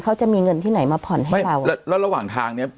เขาจะมีเงินที่ไหนมาผ่อนให้เราแล้วแล้วระหว่างทางเนี้ย